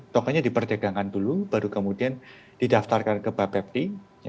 token nya diperdagangkan dulu baru kemudian didaftarkan ke bapepri